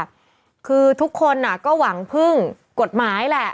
คือทุกคนก็หวังพึ่งกฎหมายแหละ